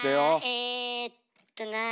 えっとなあ。